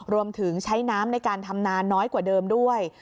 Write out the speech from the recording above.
รวมถึงใช้น้ำในการทำนานน้อยกว่าเดิมด้วย